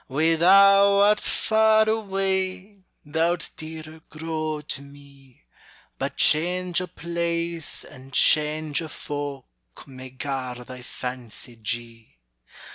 Whea thou art far awa', Thou'lt dearer grow to me; But change o' place and change o' folk May gar thy fancy jee.